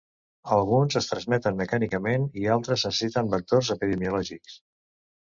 Alguns es transmeten mecànicament i altres necessiten vectors epidemiològics.